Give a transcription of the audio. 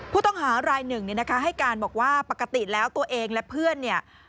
ผู้ต้องหารายหนึ่งเนี่ยนะคะให้การบอกว่าปกติแล้วตัวเองและเพื่อนเนี่ย